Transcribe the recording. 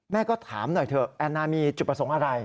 แม่ก็ถามหน่อยเถอะแอนนามีจุดประสงค์อะไร